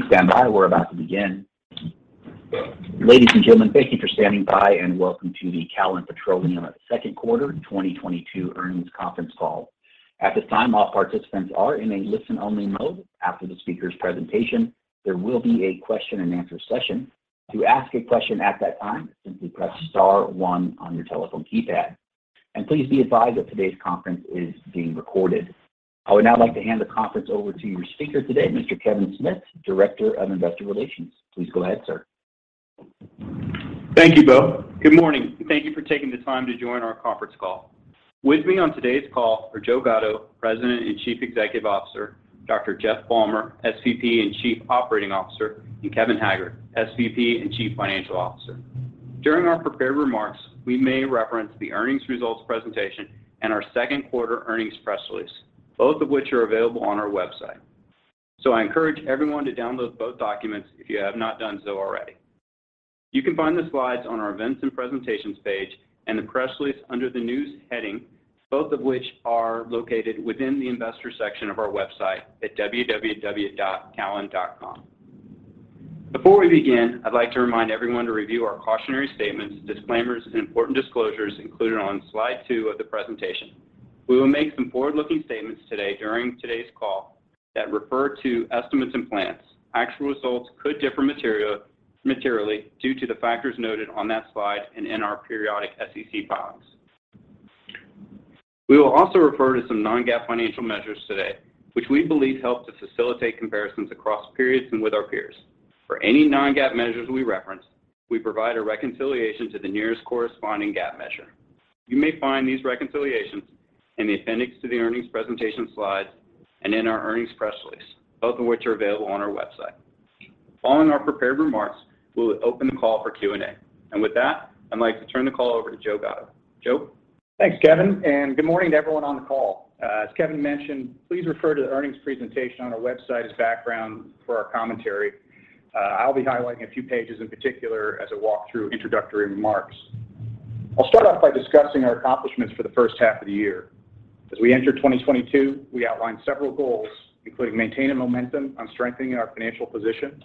Please stand by. We're about to begin. Ladies and gentlemen, thank you for standing by, and welcome to the Callon Petroleum second quarter 2022 earnings conference call. At this time, all participants are in a listen-only mode. After the speaker's presentation, there will be a question-and-answer session. To ask a question at that time, simply press star one on your telephone keypad. Please be advised that today's conference is being recorded. I would now like to hand the conference over to your speaker today, Mr. Kevin Smith, Director of Investor Relations. Please go ahead, sir. Thank you, Bo. Good morning, and thank you for taking the time to join our conference call. With me on today's call are Joe Gatto, President and Chief Executive Officer, Dr. Jeff Balmer, SVP and Chief Operating Officer, and Kevin Haggard, SVP and Chief Financial Officer. During our prepared remarks, we may reference the earnings results presentation and our second quarter earnings press release, both of which are available on our website. I encourage everyone to download both documents if you have not done so already. You can find the slides on our Events and Presentations page and the press release under the News heading, both of which are located within the Investors section of our website at www.callon.com. Before we begin, I'd like to remind everyone to review our cautionary statements, disclaimers, and important disclosures included on slide two of the presentation. We will make some forward-looking statements today during today's call that refer to estimates and plans. Actual results could differ materially due to the factors noted on that slide and in our periodic SEC filings. We will also refer to some non-GAAP financial measures today, which we believe help to facilitate comparisons across periods and with our peers. For any non-GAAP measures we reference, we provide a reconciliation to the nearest corresponding GAAP measure. You may find these reconciliations in the appendix to the earnings presentation slides and in our earnings press release, both of which are available on our website. Following our prepared remarks, we will open the call for Q&A. With that, I'd like to turn the call over to Joe Gatto. Joe? Thanks, Kevin, and good morning to everyone on the call. As Kevin mentioned, please refer to the earnings presentation on our website as background for our commentary. I'll be highlighting a few pages in particular as I walk through introductory remarks. I'll start off by discussing our accomplishments for the first half of the year. As we entered 2022, we outlined several goals, including maintaining momentum on strengthening our financial position,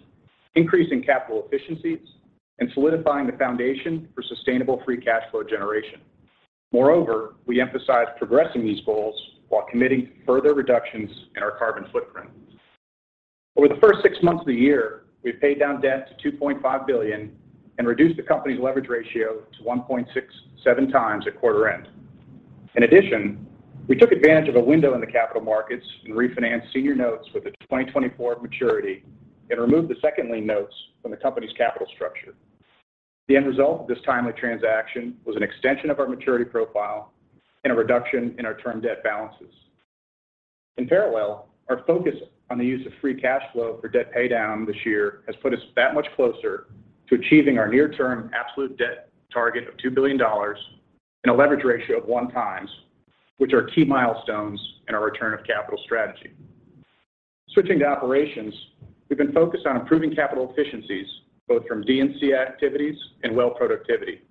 increasing capital efficiencies, and solidifying the foundation for sustainable free cash flow generation. Moreover, we emphasized progressing these goals while committing further reductions in our carbon footprint. Over the first six months of the year, we've paid down debt to $2.5 billion and reduced the company's leverage ratio to 1.67 times at quarter end. In addition, we took advantage of a window in the capital markets and refinanced senior notes with a 2024 maturity and removed the second lien notes from the company's capital structure. The end result of this timely transaction was an extension of our maturity profile and a reduction in our term debt balances. In parallel, our focus on the use of free cash flow for debt paydown this year has put us that much closer to achieving our near-term absolute debt target of $2 billion and a leverage ratio of 1x, which are key milestones in our return of capital strategy. Switching to operations, we've been focused on improving capital efficiencies, both from D&C activities and well productivity.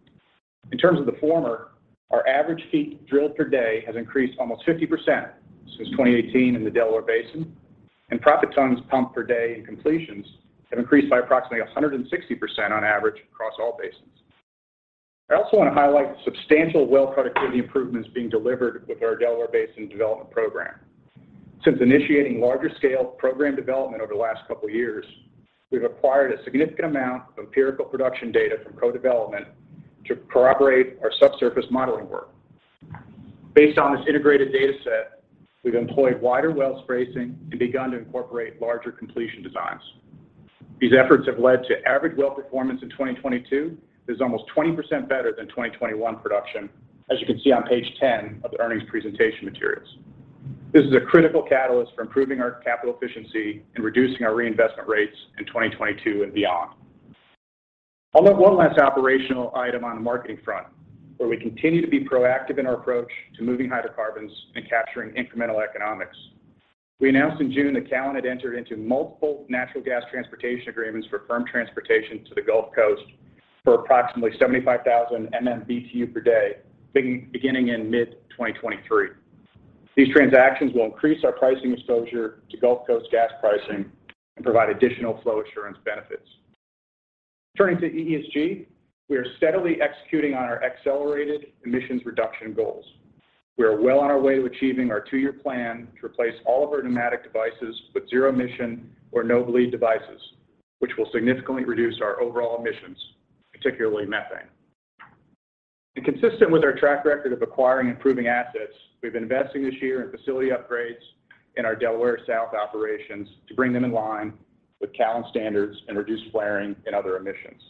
In terms of the former, our average feet drilled per day has increased almost 50% since 2018 in the Delaware Basin, and proppant tons pumped per day in completions have increased by approximately 160% on average across all basins. I also want to highlight the substantial well productivity improvements being delivered with our Delaware Basin development program. Since initiating larger scale program development over the last couple years, we've acquired a significant amount of empirical production data from co-development to corroborate our subsurface modeling work. Based on this integrated data set, we've employed wider well spacing and begun to incorporate larger completion designs. These efforts have led to average well performance in 2022 that is almost 20% better than 2021 production, as you can see on page 10 of the earnings presentation materials. This is a critical catalyst for improving our capital efficiency and reducing our reinvestment rates in 2022 and beyond. I'll note one last operational item on the marketing front, where we continue to be proactive in our approach to moving hydrocarbons and capturing incremental economics. We announced in June that Callon had entered into multiple natural gas transportation agreements for firm transportation to the Gulf Coast for approximately 75,000 MM BTU per day, beginning in mid-2023. These transactions will increase our pricing exposure to Gulf Coast gas pricing and provide additional flow assurance benefits. Turning to ESG, we are steadily executing on our accelerated emissions reduction goals. We are well on our way to achieving our two-year plan to replace all of our pneumatic devices with zero-emission or no-bleed devices, which will significantly reduce our overall emissions, particularly methane. Consistent with our track record of acquiring improving assets, we've been investing this year in facility upgrades in our Delaware South operations to bring them in line with Callon standards and reduce flaring and other emissions.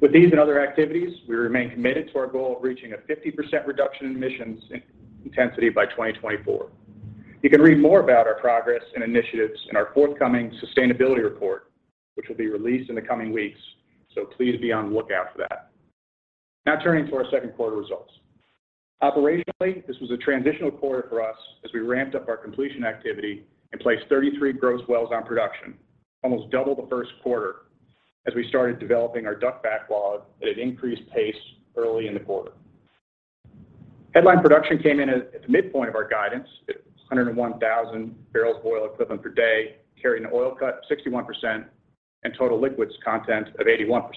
With these and other activities, we remain committed to our goal of reaching a 50% reduction in emissions intensity by 2024. You can read more about our progress and initiatives in our forthcoming sustainability report, which will be released in the coming weeks. Please be on the lookout for that. Now turning to our second quarter results. Operationally, this was a transitional quarter for us as we ramped up our completion activity and placed 33 gross wells on production, almost double the first quarter, as we started developing our DUC backlog at an increased pace early in the quarter. Headline production came in at the midpoint of our guidance at 101,000 barrels of oil equivalent per day, carrying an oil cut of 61% and total liquids content of 81%.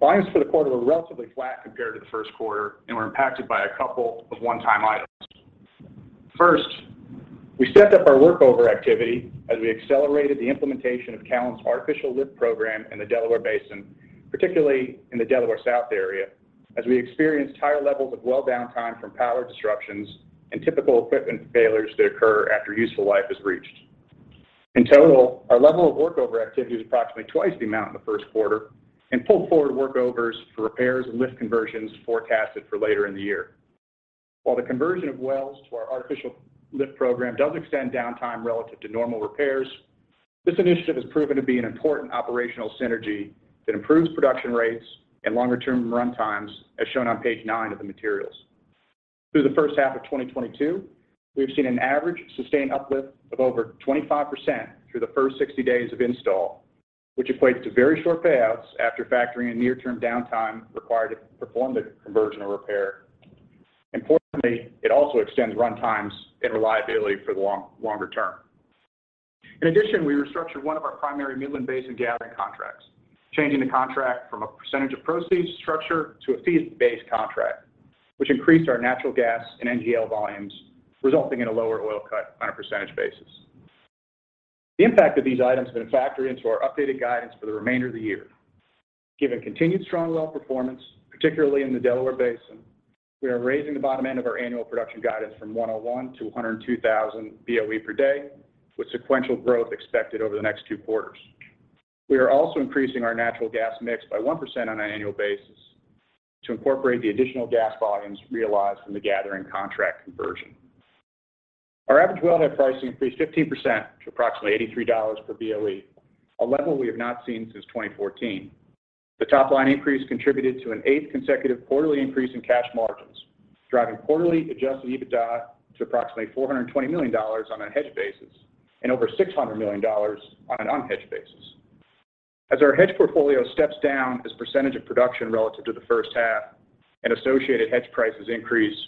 Volumes for the quarter were relatively flat compared to the first quarter and were impacted by a couple of one-time items. First, we stepped up our workover activity as we accelerated the implementation of Callon's artificial lift program in the Delaware Basin, particularly in the Delaware South area, as we experienced higher levels of well downtime from power disruptions and typical equipment failures that occur after useful life is reached. In total, our level of workover activity was approximately twice the amount in the first quarter and pulled forward workovers for repairs and lift conversions forecasted for later in the year. While the conversion of wells to our artificial lift program does extend downtime relative to normal repairs, this initiative has proven to be an important operational synergy that improves production rates and longer term run times, as shown on page nine of the materials. Through the first half of 2022, we have seen an average sustained uplift of over 25% through the first 60 days of install, which equates to very short payouts after factoring in near term downtime required to perform the conversion or repair. Importantly, it also extends run times and reliability for the longer term. In addition, we restructured one of our primary Midland Basin gathering contracts, changing the contract from a percentage of proceeds structure to a fee-based contract, which increased our natural gas and NGL volumes, resulting in a lower oil cut on a percentage basis. The impact of these items have been factored into our updated guidance for the remainder of the year. Given continued strong well performance, particularly in the Delaware Basin, we are raising the bottom end of our annual production guidance from 101,000 BOE to 102,000 BOE per day, with sequential growth expected over the next two quarters. We are also increasing our natural gas mix by 1% on an annual basis to incorporate the additional gas volumes realized from the gathering contract conversion. Our average wellhead pricing increased 15% to approximately $83 per BOE, a level we have not seen since 2014. The top-line increase contributed to an eighth consecutive quarterly increase in cash margins, driving quarterly Adjusted EBITDA to approximately $420 million on a hedged basis and over $600 million on an unhedged basis. As our hedge portfolio steps down as percentage of production relative to the first half and associated hedge prices increase,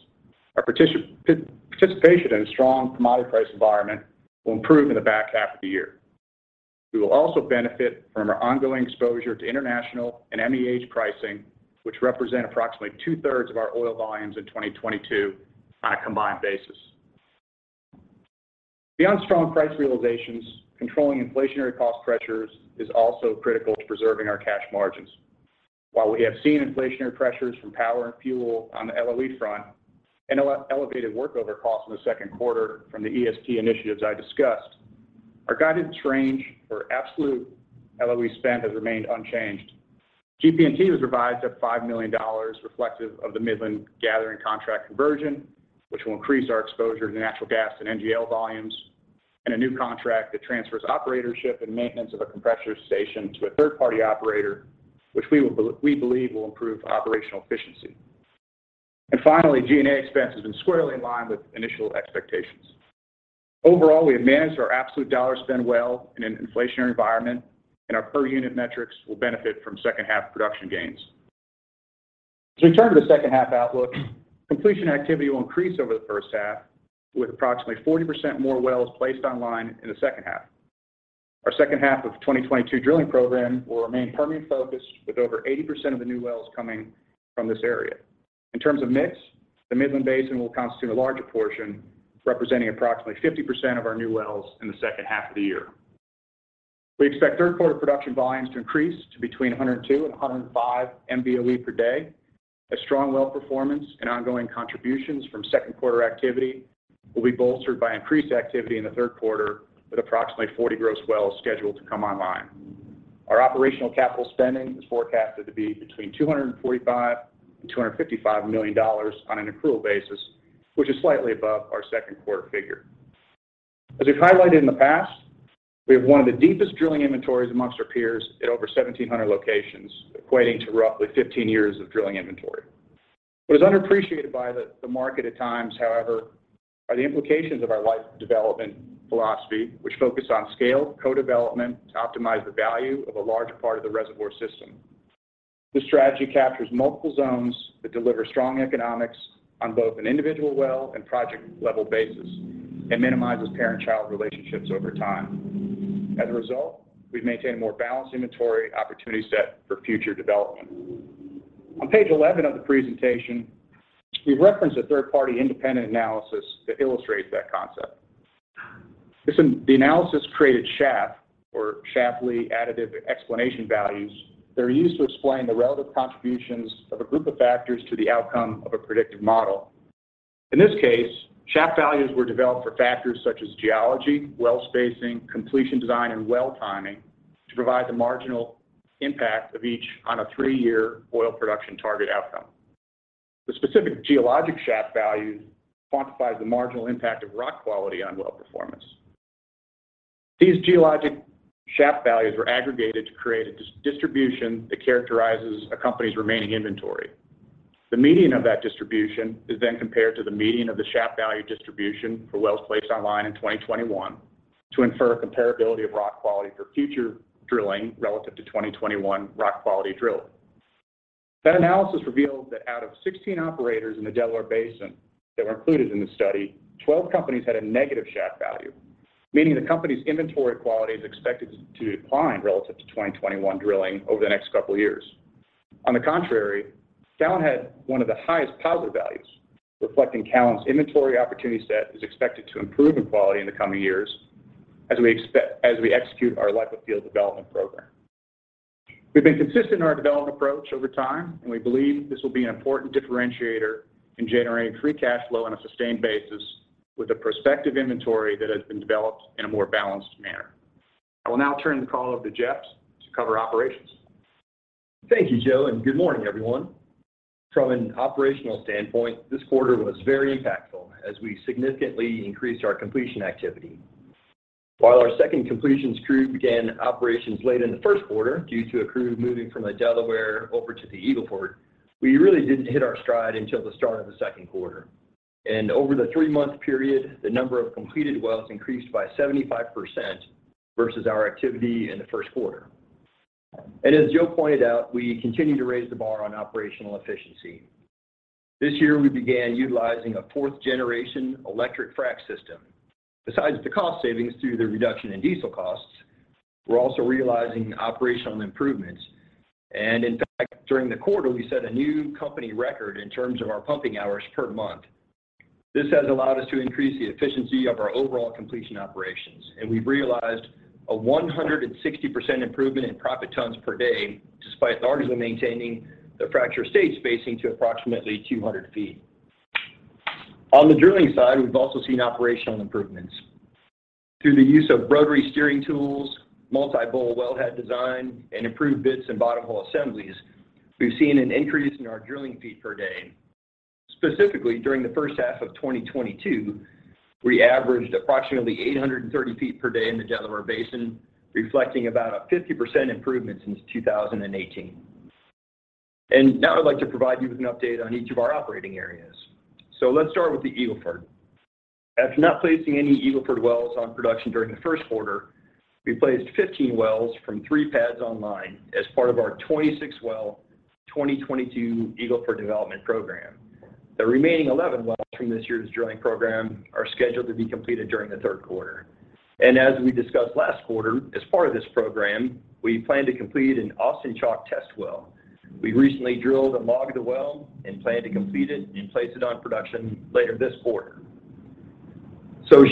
our participation in a strong commodity price environment will improve in the back half of the year. We will also benefit from our ongoing exposure to international and MEH pricing, which represent approximately two-thirds of our oil volumes in 2022 on a combined basis. Beyond strong price realizations, controlling inflationary cost pressures is also critical to preserving our cash margins. While we have seen inflationary pressures from power and fuel on the LOE front and elevated workover costs in the second quarter from the ESP initiatives I discussed, our guidance range for absolute LOE spend has remained unchanged. GP&T was revised at $5 million reflective of the Midland gathering contract conversion, which will increase our exposure to natural gas and NGL volumes and a new contract that transfers operatorship and maintenance of a compressor station to a third-party operator, which we believe will improve operational efficiency. Finally, G&A expense has been squarely in line with initial expectations. Overall, we have managed our absolute dollar spend well in an inflationary environment, and our per unit metrics will benefit from second half production gains. To return to the second half outlook, completion activity will increase over the first half with approximately 40% more wells placed online in the second half. Our second half of 2022 drilling program will remain Permian-focused with over 80% of the new wells coming from this area. In terms of mix, the Midland Basin will constitute a larger portion, representing approximately 50% of our new wells in the second half of the year. We expect third quarter production volumes to increase to between 102 MBOE and 105 MBOE per day. A strong well performance and ongoing contributions from second quarter activity will be bolstered by increased activity in the third quarter, with approximately 40 gross wells scheduled to come online. Our operational capital spending is forecasted to be between $245 million and $255 million on an accrual basis, which is slightly above our second quarter figure. As we've hig hlighted in the past, we have one of the deepest drilling inventories amongst our peers at over 1,700 locations, equating to roughly 15 years of drilling inventory. What is underappreciated by the market at times, however, are the implications of our life development philosophy, which focus on scale, co-development to optimize the value of a larger part of the reservoir system. This strategy captures multiple zones that deliver strong economics on both an individual well and project-level basis and minimizes parent-child relationships over time. As a result, we've maintained a more balanced inventory opportunity set for future development. On page 11 of the presentation, we reference a third-party independent analysis that illustrates that concept. Listen, the analysis created SHAP, or SHapley Additive exPlanations values, that are used to explain the relative contributions of a group of factors to the outcome of a predictive model. In this case, SHAP values were developed for factors such as geology, well spacing, completion design, and well timing to provide the marginal impact of each on a three-year oil production target outcome. The specific geologic SHAP values quantify the marginal impact of rock quality on well performance. These geologic SHAP values were aggregated to create a distribution that characterizes a company's remaining inventory. The median of that distribution is then compared to the median of the SHAP value distribution for wells placed online in 2021. To infer comparability of rock quality for future drilling relative to 2021 rock quality drilling. That analysis revealed that out of 16 operators in the Delaware Basin that were included in the study, 12 companies had a negative SHAP value, meaning the company's inventory quality is expected to decline relative to 2021 drilling over the next couple of years. On the contrary, Callon had one of the highest positive values, reflecting Callon's inventory opportunity set is expected to improve in quality in the coming years as we execute our life of field development program. We've been consistent in our development approach over time, and we believe this will be an important differentiator in generating free cash flow on a sustained basis with a prospective inventory that has been developed in a more balanced manner. I will now turn the call over to Jeff to cover operations. Thank you, Joe, and good morning, everyone. From an operational standpoint, this quarter was very impactful as we significantly increased our completion activity. While our second completions crew began operations late in the first quarter due to a crew moving from the Delaware over to the Eagle Ford, we really didn't hit our stride until the start of the second quarter. Over the three-month period, the number of completed wells increased by 75% versus our activity in the first quarter. As Joe pointed out, we continue to raise the bar on operational efficiency. This year we began utilizing a fourth-generation electric frack system. Besides the cost savings through the reduction in diesel costs, we're also realizing operational improvements. In fact, during the quarter, we set a new company record in terms of our pumping hours per month. This has allowed us to increase the efficiency of our overall completion operations, and we've realized a 160 improvement in proppant tons per day, despite largely maintaining the fracture stage spacing to approximately 200 feet. On the drilling side, we've also seen operational improvements. Through the use of rotary steering tools, multi-bowl wellhead design, and improved bits and bottom hole assemblies, we've seen an increase in our drilling feet per day. Specifically, during the first half of 2022, we averaged approximately 830 feet per day in the Delaware Basin, reflecting about a 50% improvement since 2018. Now I'd like to provide you with an update on each of our operating areas. Let's start with the Eagle Ford. After not placing any Eagle Ford wells on production during the first quarter, we placed 15 wells from three pads online as part of our 26-well, 2022 Eagle Ford development program. The remaining 11 wells from this year's drilling program are scheduled to be completed during the third quarter. As we discussed last quarter, as part of this program, we plan to complete an Austin Chalk test well. We recently drilled and logged the well and plan to complete it and place it on production later this quarter.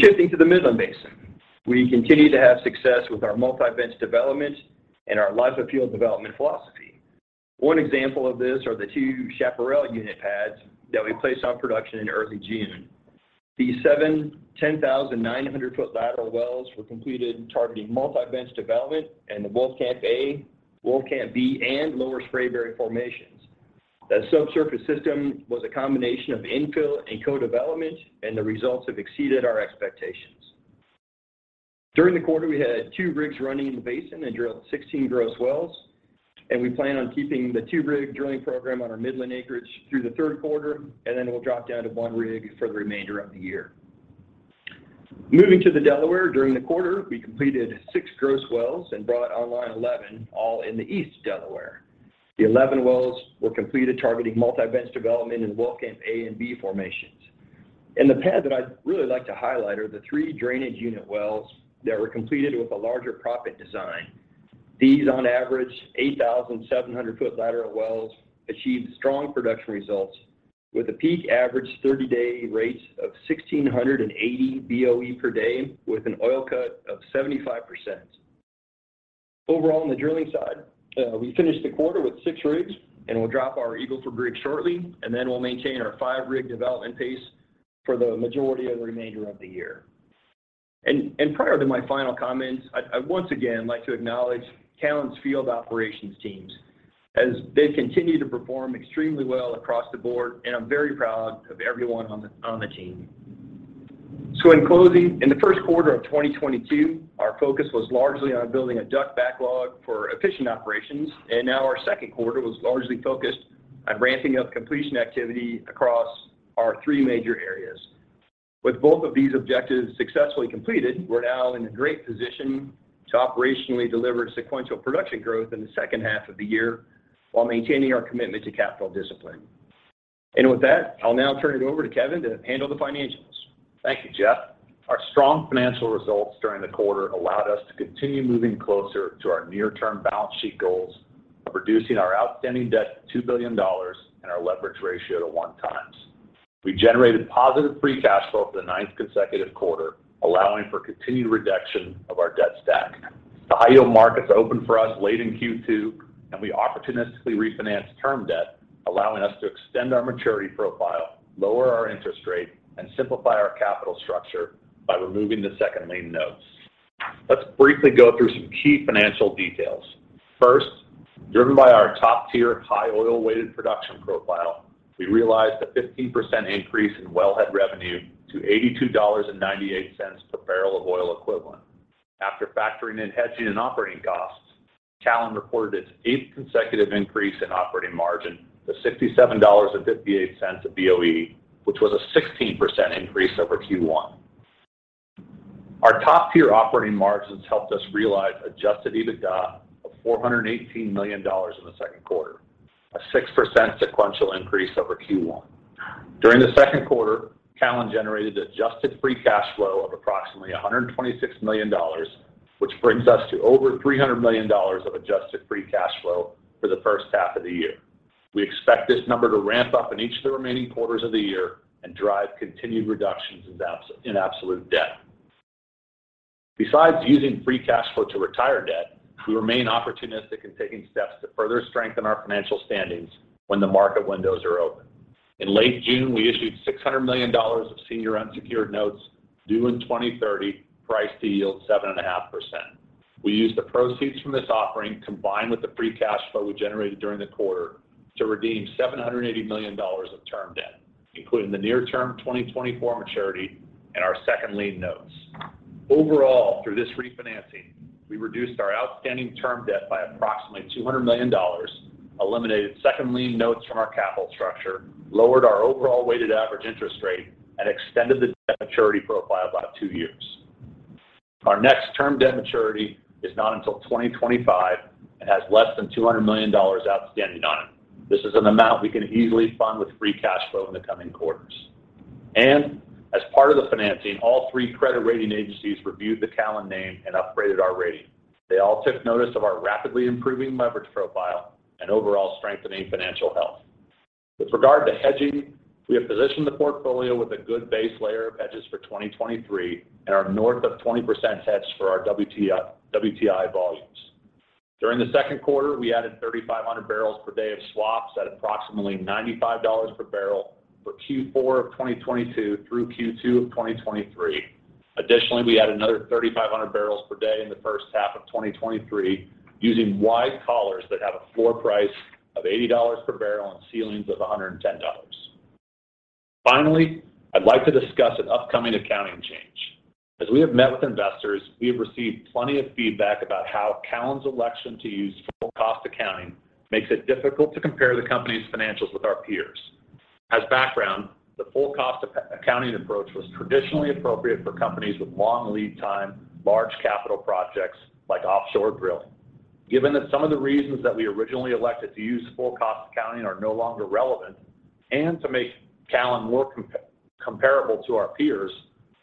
Shifting to the Midland Basin, we continue to have success with our multi-bench development and our life of field development philosophy. One example of this are the two Chaparral unit pads that we placed on production in early June. These seven 10,900-foot lateral wells were completed targeting multi-bench development and the Wolfcamp A, Wolfcamp B, and Lower Spraberry formations. The subsurface system was a combination of infill and co-development, and the results have exceeded our expectations. During the quarter, we had two rigs running in the basin and drilled 16 gross wells, and we plan on keeping the two-rig drilling program on our Midland acreage through the third quarter, and then we'll drop down to one rig for the remainder of the year. Moving to the Delaware, during the quarter, we completed six gross wells and brought online 11, all in the East Delaware. The 11 wells were completed targeting multi-bench development in Wolfcamp A and B formations. In the pad that I'd really like to highlight are the three drainage unit wells that were completed with a larger proppant design. These on average 8,700-foot lateral wells achieved strong production results with a peak average 30-day rate of 1,680 BOE per day with an oil cut of 75%. Overall, on the drilling side, we finished the quarter with six rigs and we'll drop our Eagle Ford rig shortly, and then we'll maintain our five-rig development pace for the majority of the remainder of the year. Prior to my final comments, I'd once again like to acknowledge Callon's field operations teams as they continue to perform extremely well across the board, and I'm very proud of everyone on the team. In closing, in the first quarter of 2022, our focus was largely on building a DUC backlog for efficient operations, and now our second quarter was largely focused on ramping up completion activity across our three major areas. With both of these objectives successfully completed, we're now in a great position to operationally deliver sequential production growth in the second half of the year while maintaining our commitment to capital discipline. With that, I'll now turn it over to Kevin to handle the financials. Thank you, Jeff. Our strong financial results during the quarter allowed us to continue moving closer to our near-term balance sheet goals of reducing our outstanding debt to $2 billion and our leverage ratio to 1x. We generated positive free cash flow for the ninth consecutive quarter, allowing for continued reduction of our debt stack. The high-yield markets opened for us late in Q2, and we opportunistically refinanced term debt, allowing us to extend our maturity profile, lower our interest rate, and simplify our capital structure by removing the second lien notes. Let's briefly go through some key financial details. First, driven by our top-tier high oil weighted production profile, we realized a 15% increase in wellhead revenue to $82.98 per barrel of oil equivalent. After factoring in hedging and operating costs, Callon reported its eighth consecutive increase in operating margin to $67.58 per BOE, which was a 16% increase over Q1. Our top-tier operating margins helped us realize Adjusted EBITDA of $418 million in the second quarter, a 6% sequential increase over Q1. During the second quarter, Callon generated adjusted free cash flow of approximately $126 million, which brings us to over $300 million of adjusted free cash flow for the first half of the year. We expect this number to ramp up in each of the remaining quarters of the year and drive continued reductions in absolute debt. Besides using free cash flow to retire debt, we remain opportunistic in taking steps to further strengthen our financial standings when the market windows are open. In late June, we issued $600 million of senior unsecured notes due in 2030 priced to yield 7.5%. We used the proceeds from this offering combined with the free cash flow we generated during the quarter to redeem $780 million of term debt, including the near-term 2024 maturity and our second lien notes. Overall, through this refinancing, we reduced our outstanding term debt by approximately $200 million, eliminated second lien notes from our capital structure, lowered our overall weighted average interest rate, and extended the debt maturity profile by two years. Our next term debt maturity is not until 2025 and has less than $200 million outstanding on it. This is an amount we can easily fund with free cash flow in the coming quarters. As part of the financing, all three credit rating agencies reviewed the Callon name and upgraded our rating. They all took notice of our rapidly improving leverage profile and overall strengthening financial health. With regard to hedging, we have positioned the portfolio with a good base layer of hedges for 2023 and are north of 20% hedged for our WTI volumes. During the second quarter, we added 3,500 barrels per day of swaps at approximately $95 per barrel for Q4 of 2022 through Q2 of 2023. Additionally, we add another 3,500 barrels per day in the first half of 2023 using wide collars that have a floor price of $80 per barrel and ceilings of $110. Finally, I'd like to discuss an upcoming accounting change. As we have met with investors, we have received plenty of feedback about how Callon's election to use full cost accounting makes it difficult to compare the company's financials with our peers. As background, the full cost accounting approach was traditionally appropriate for companies with long lead time, large capital projects like offshore drilling. Given that some of the reasons that we originally elected to use full cost accounting are no longer relevant, and to make Callon more comparable to our peers,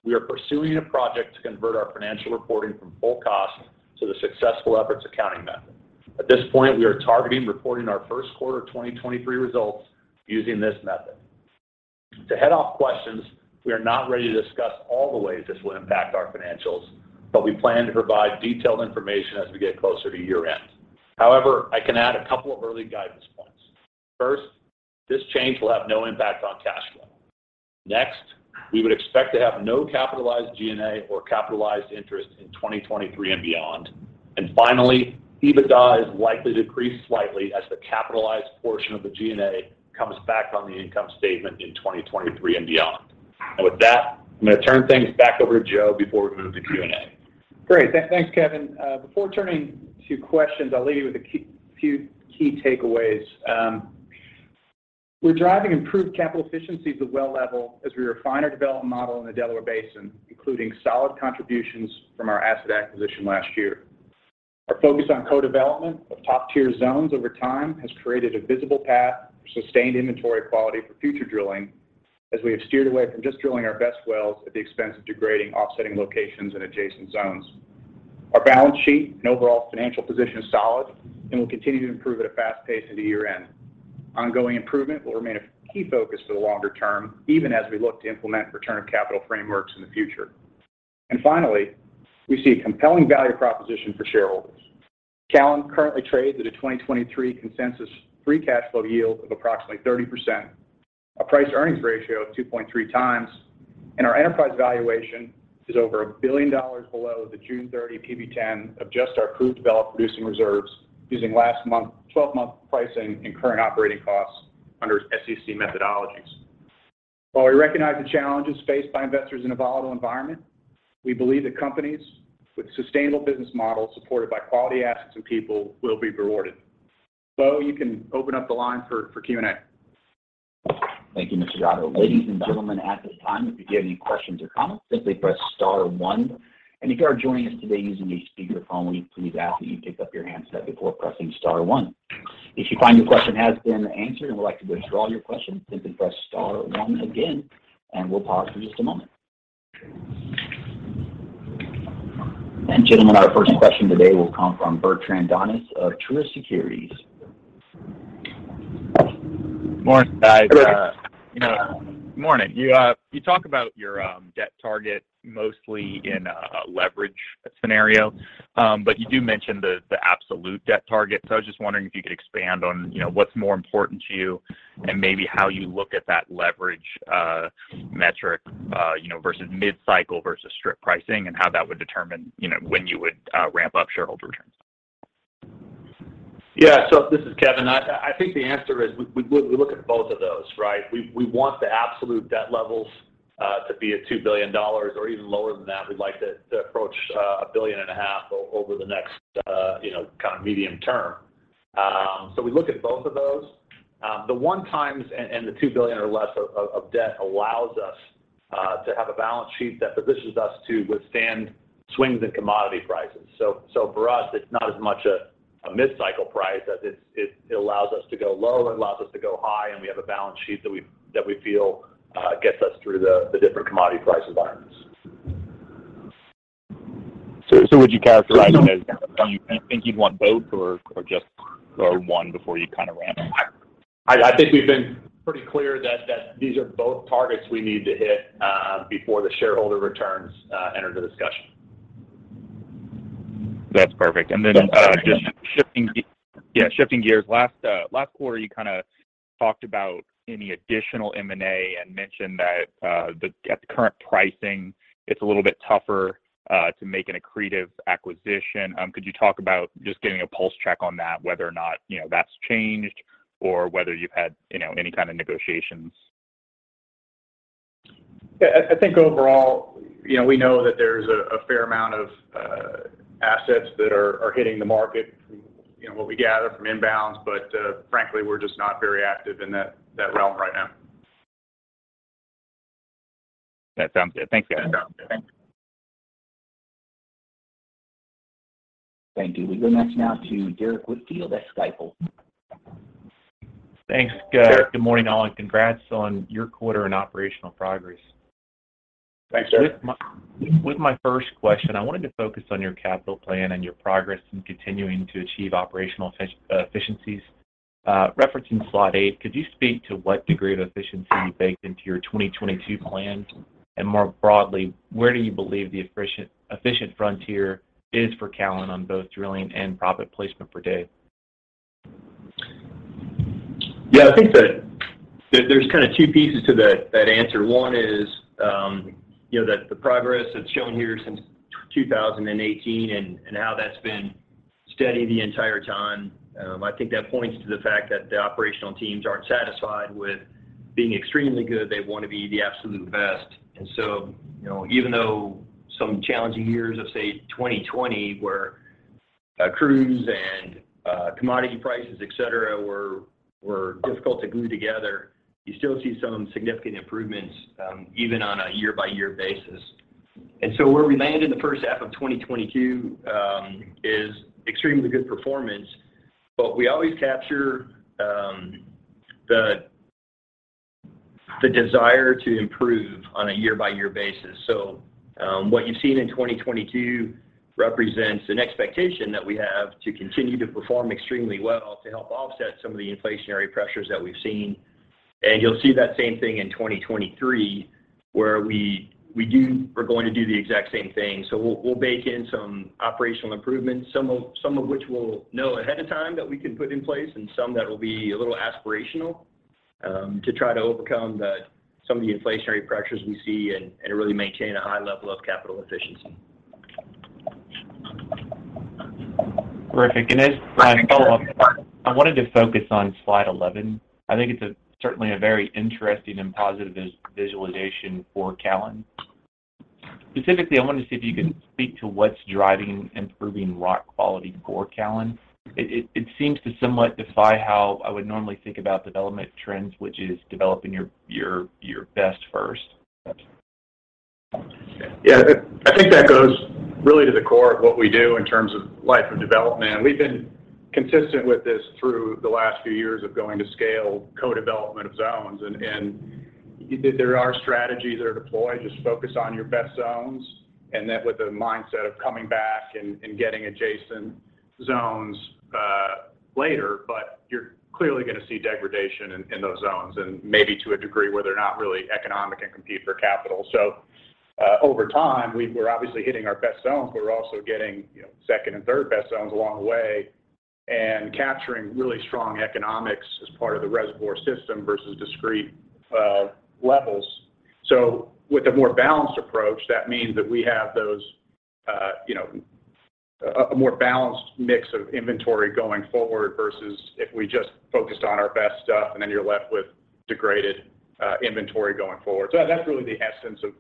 we are pursuing a project to convert our financial reporting from full cost to the successful efforts accounting method. At this point, we are targeting reporting our first quarter 2023 results using this method. To head off questions, we are not ready to discuss all the ways this will impact our financials, but we plan to provide detailed information as we get closer to year-end. However, I can add a couple of early guidance points. First, this change will have no impact on cash flow. Next, we would expect to have no capitalized G&A or capitalized interest in 2023 and beyond. Finally, EBITDA is likely to decrease slightly as the capitalized portion of the G&A comes back on the income statement in 2023 and beyond. With that, I'm going to turn things back over to Joe before we move to Q&A. Great. Thanks, Kevin. Before turning to questions, I'll leave you with a few key takeaways. We're driving improved capital efficiencies at well level as we refine our development model in the Delaware Basin, including solid contributions from our asset acquisition last year. Our focus on co-development of top-tier zones over time has created a visible path for sustained inventory quality for future drilling as we have steered away from just drilling our best wells at the expense of degrading offsetting locations in adjacent zones. Our balance sheet and overall financial position is solid and will continue to improve at a fast pace into year-end. Ongoing improvement will remain a key focus for the longer term, even as we look to implement return of capital frameworks in the future. Finally, we see a compelling value proposition for shareholders. Callon currently trades at a 2023 consensus free cash flow yield of approximately 30%, a price earnings ratio of 2.3x, and our enterprise valuation is over $1 billion below the June 30 PV-10 of just our proved developed producing reserves using last month's 12-month pricing and current operating costs under SEC methodologies. While we recognize the challenges faced by investors in a volatile environment, we believe that companies with sustainable business models supported by quality assets and people will be rewarded. Bo, you can open up the line for Q&A. Thank you, Mr. Gatto. Ladies and gentlemen, at this time, if you do have any questions or comments, simply press star one. If you are joining us today using a speakerphone, we please ask that you pick up your handset before pressing star one. If you find your question has been answered and would like to withdraw your question, simply press star one again, and we'll pause for just a moment. Gentlemen, our first question today will come from Bertrand Donnes of Truist Securities. Morning, guys. Good. You know. Morning. You talk about your debt target mostly in a leverage scenario, but you do mention the absolute debt target. I was just wondering if you could expand on, you know, what's more important to you and maybe how you look at that leverage metric, you know, versus mid-cycle versus strip pricing and how that would determine, you know, when you would ramp up shareholder returns. Yeah. This is Kevin. I think the answer is we look at both of those, right? We want the absolute debt levels to be at $2 billion or even lower than that. We'd like to approach $1.5 billion over the next you know kind of medium term. So we look at both of those. The 1x and the $2 billion or less of debt allows us to have a balance sheet that positions us to withstand swings in commodity prices. For us, it's not as much a mid-cycle price as it's it allows us to go low and allows us to go high, and we have a balance sheet that we feel gets us through the different commodity price environments. Would you characterize it as? Do you think you'd want both or just one before you kind of ramp up? I think we've been pretty clear that these are both targets we need to hit before the shareholder returns enter the discussion. That's perfect. Just shifting ge- Yeah. Yeah, shifting gears. Last quarter, you kinda talked about any additional M&A and mentioned that at the current pricing, it's a little bit tougher to make an accretive acquisition. Could you talk about just giving a pulse check on that whether or not, you know, that's changed or whether you've had, you know, any kind of negotiations? Yeah. I think overall, you know, we know that there's a fair amount of assets that are hitting the market from, you know, what we gather from inbounds. But frankly, we're just not very active in that realm right now. That sounds good. Thanks. Sounds good. Thanks. Thank you. We go next now to Derrick Whitfield at Stifel. Thanks, guys. Derrick. Good morning, all, and congrats on your quarter and operational progress. Thanks, Derrick. With my first question, I wanted to focus on your capital plan and your progress in continuing to achieve operational efficiencies. Referencing slide eight, could you speak to what degree of efficiency you baked into your 2022 plans? More broadly, where do you believe the efficient frontier is for Callon on both drilling and proppant placement per day? Yeah. I think there's kind of two pieces to that answer. One is, you know, that the progress that's shown here since 2018 and how that's been steady the entire time. I think that points to the fact that the operational teams aren't satisfied with being extremely good. They want to be the absolute best. You know, even though some challenging years of, say, 2020, where crews and commodity prices, et cetera, were difficult to glue together, you still see some significant improvements, even on a year-by-year basis. Where we land in the first half of 2022 is extremely good performance. We always capture the desire to improve on a year-by-year basis. What you've seen in 2022 represents an expectation that we have to continue to perform extremely well to help offset some of the inflationary pressures that we've seen. You'll see that same thing in 2023, where we're going to do the exact same thing. We'll bake in some operational improvements, some of which we'll know ahead of time that we can put in place and some that will be a little aspirational to try to overcome some of the inflationary pressures we see and really maintain a high level of capital efficiency. Terrific. As my follow-up, I wanted to focus on slide 11. I think it's certainly a very interesting and positive visualization for Callon. Specifically, I wanted to see if you could speak to what's driving improving rock quality for Callon. It seems to somewhat defy how I would normally think about development trends, which is developing your best first. Yeah. I think that goes really to the core of what we do in terms of life of development. We've been consistent with this through the last few years of going to scale co-development of zones and there are strategies that are deployed. Just focus on your best zones and that with the mindset of coming back and getting adjacent zones later. You're clearly gonna see degradation in those zones and maybe to a degree where they're not really economic and compete for capital. Over time, we're obviously hitting our best zones, but we're also getting, you know, second and third best zones along the way and capturing really strong economics as part of the reservoir system versus discrete levels. With a more balanced approach, that means that we have those, you know, a more balanced mix of inventory going forward versus if we just focused on our best stuff, and then you're left with degraded, inventory going forward. That's really the essence of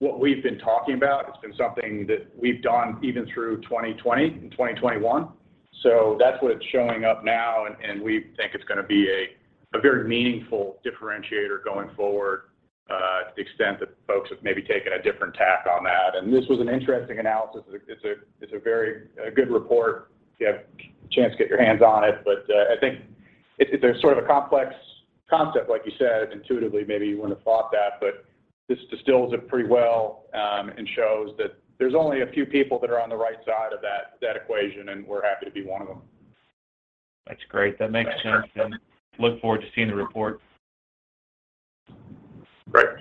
what we've been talking about. It's been something that we've done even through 2020 and 2021, so that's what's showing up now and we think it's gonna be a very meaningful differentiator going forward, to the extent that folks have maybe taken a different tack on that. This was an interesting analysis. It's a very good report if you have a chance to get your hands on it. I think it. There's sort of a complex concept, like you said. Intuitively, maybe you wouldn't have thought that, but this distills it pretty well, and shows that there's only a few people that are on the right side of that equation, and we're happy to be one of them. That's great. That makes sense. Look forward to seeing the report. Great.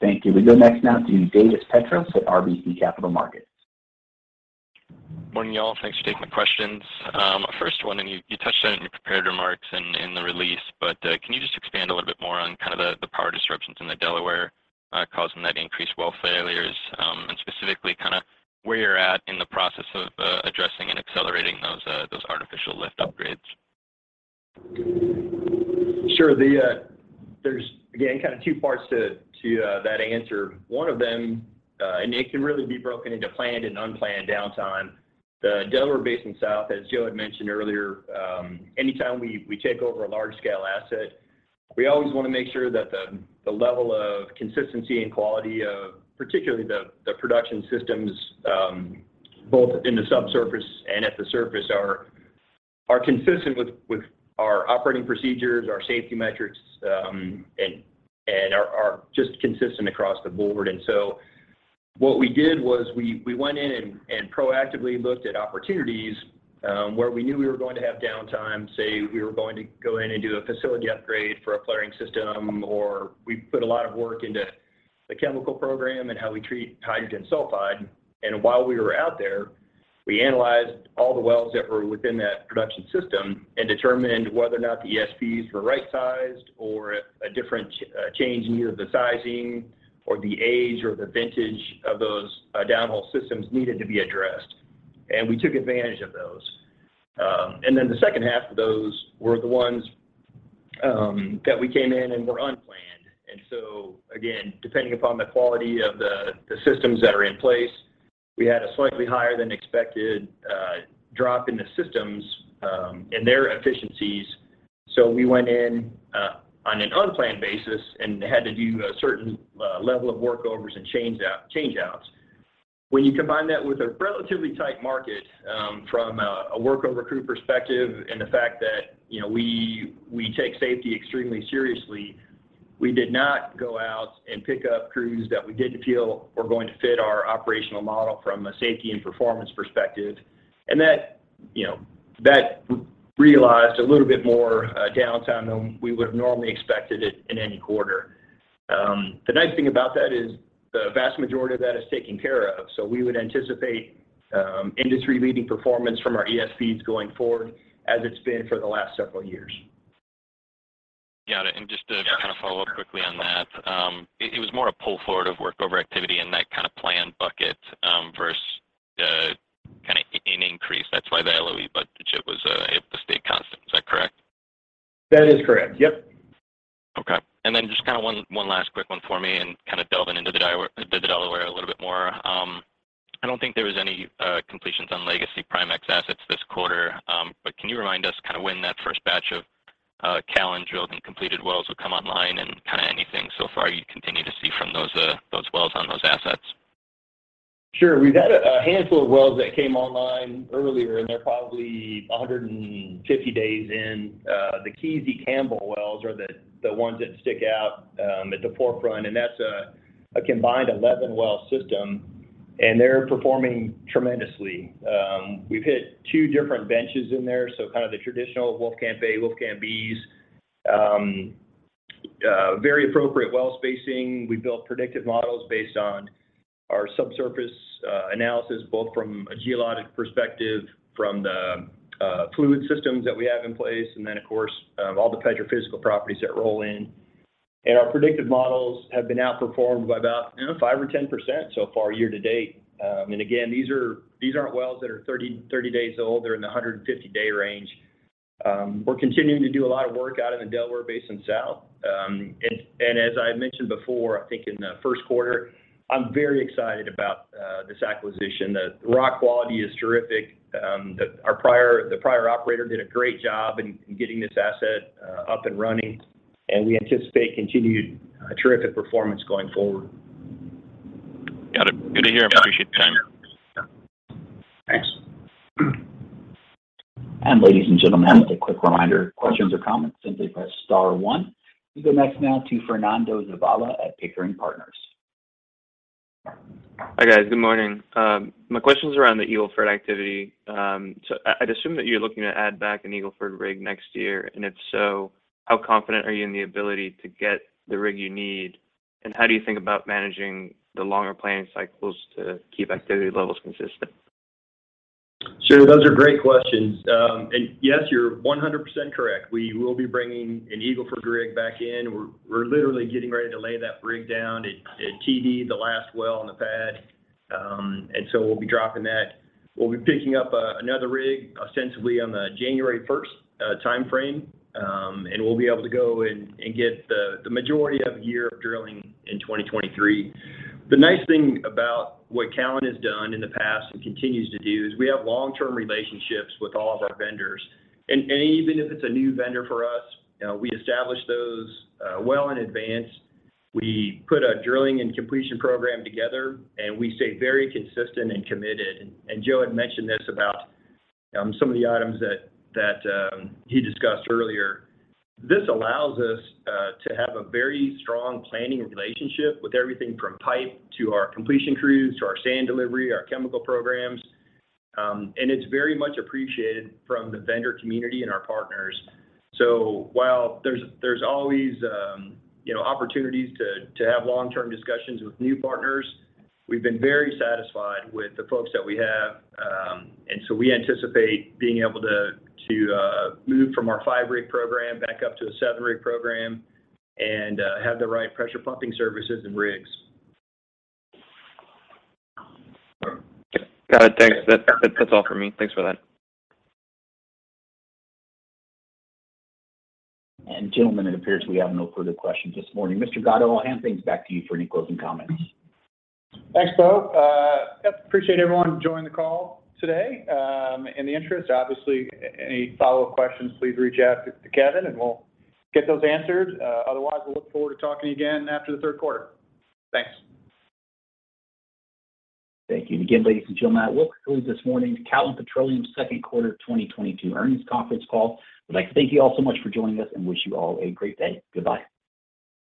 Thank you. We go next now to Davis Petros with RBC Capital Markets. Morning, y'all. Thanks for taking the questions. First one, and you touched on it in your prepared remarks and in the release, but can you just explain in the Delaware causing that increased well failures, and specifically kind of where you're at in the process of addressing and accelerating those artificial lift upgrades. Sure. There's again, kind of two parts to that answer. One of them, and it can really be broken into planned and unplanned downtime. The Delaware Basin South, as Joe had mentioned earlier, anytime we take over a large scale asset, we always wanna make sure that the level of consistency and quality of particularly the production systems, both in the subsurface and at the surface are consistent with our operating procedures, our safety metrics, and are just consistent across the board. What we did was we went in and proactively looked at opportunities, where we knew we were going to have downtime, say we were going to go in and do a facility upgrade for a flaring system, or we put a lot of work into the chemical program and how we treat hydrogen sulfide. While we were out there, we analyzed all the wells that were within that production system and determined whether or not the ESPs were right sized or a different change in either the sizing or the age or the vintage of those downhole systems needed to be addressed. We took advantage of those. Then the second half of those were the ones that we came in and were unplanned. Again, depending upon the quality of the systems that are in place, we had a slightly higher than expected drop in the systems and their efficiencies. We went in on an unplanned basis and had to do a certain level of workovers and change outs. When you combine that with a relatively tight market from a workover crew perspective, and the fact that, you know, we take safety extremely seriously, we did not go out and pick up crews that we didn't feel were going to fit our operational model from a safety and performance perspective. That, you know, realized a little bit more downtime than we would've normally expected in any quarter. The nice thing about that is the vast majority of that is taken care of. We would anticipate industry leading performance from our ESPs going forward as it's been for the last several years. Got it. Just to kind of follow up quickly on that, it was more a pull forward of workover activity in that kind of planned bucket, versus, kind of an increase. That's why the LOE budget was able to stay constant. Is that correct? That is correct. Yep. Okay. Just kinda one last quick one for me and kind of delving into the Delaware a little bit more. I don't think there was any completions on legacy Primexx assets this quarter. But can you remind us kind of when that first batch of Callon drilled and completed wells will come online and kinda anything so far you continue to see from those those wells on those assets? Sure. We've had a handful of wells that came online earlier, and they're probably 150 days in. The Keezy Campbell wells are the ones that stick out at the forefront, and that's a combined 11-well system, and they're performing tremendously. We've hit two different benches in there, so kind of the traditional Wolfcamp A, Wolfcamp B's. Very appropriate well spacing. We built predictive models based on our subsurface analysis, both from a geologic perspective from the fluid systems that we have in place, and then of course all the petrophysical properties that roll in. Our predictive models have been outperformed by about, you know, 5% or 10% so far year to date. And again, these aren't wells that are 30 days old. They're in the 150-day range. We're continuing to do a lot of work out in the Delaware Basin South. As I had mentioned before, I think in the first quarter, I'm very excited about this acquisition. The rock quality is terrific. The prior operator did a great job in getting this asset up and running, and we anticipate continued terrific performance going forward. Got it. Good to hear. I appreciate your time. Yeah. Thanks. Ladies and gentlemen, as a quick reminder, questions or comments, simply press star one. We go next now to Fernando Zavala at Pickering Partners. Hi, guys. Good morning. My question's around the Eagle Ford activity. I'd assume that you're looking to add back an Eagle Ford rig next year. If so, how confident are you in the ability to get the rig you need, and how do you think about managing the longer planning cycles to keep activity levels consistent? Sure. Those are great questions. Yes, you're 100% correct. We will be bringing an Eagle Ford rig back in. We're literally getting ready to lay that rig down. It TD the last well on the pad. We'll be dropping that. We'll be picking up another rig ostensibly on the January 1st timeframe. We'll be able to go and get the majority of a year of drilling in 2023. The nice thing about what Callon has done in the past and continues to do is we have long-term relationships with all of our vendors. Even if it's a new vendor for us, you know, we establish those well in advance. We put a drilling and completion program together, and we stay very consistent and committed. Joe had mentioned this about some of the items that he discussed earlier. This allows us to have a very strong planning relationship with everything from pipe to our completion crews to our sand delivery, our chemical programs. It's very much appreciated from the vendor community and our partners. While there's always you know opportunities to have long-term discussions with new partners, we've been very satisfied with the folks that we have. We anticipate being able to move from our five-rig program back up to a seven-rig program and have the right pressure pumping services and rigs. Got it. Thanks. That, that's all for me. Thanks for that. Gentlemen, it appears we have no further questions this morning. Mr. Gatto, I'll hand things back to you for any closing comments. Thanks, Bo. Yep, appreciate everyone joining the call today. In the interest, obviously, any follow-up questions, please reach out to Kevin, and we'll get those answered. Otherwise, we'll look forward to talking again after the third quarter. Thanks. Thank you. Again, ladies and gentlemen, that will conclude this morning's Callon Petroleum second quarter 2022 earnings conference call. We'd like to thank you all so much for joining us and wish you all a great day. Goodbye.